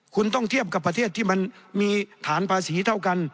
คุณต้องเทียบกับประเทศที่มันมีฐานภาษีเท่ากัน